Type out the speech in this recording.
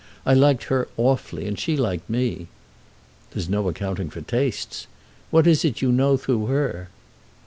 I liked her awfully, and she liked me." "There's no accounting for tastes. What is it you know through her?"